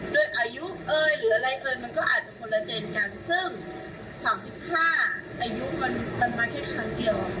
ด้วยอายุเอ่ยหรืออะไรเอ่ยมันก็อาจจะคนละเจนกันซึ่ง๓๕อายุมันมาแค่ครั้งเดียว